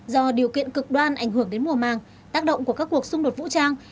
do điều kiện cực đoan ảnh hưởng đến mùa màng tác động của các cuộc xung đột vũ trang